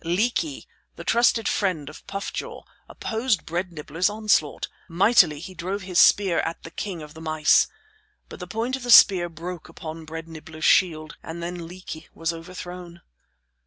Leeky, the trusted friend of Puff jaw, opposed Bread Nibbler's onslaught. Mightily he drove his spear at the king of the mice. But the point of the spear broke upon Bread Nibbler's shield, and then Leeky was overthrown.